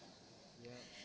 dan yang sempurna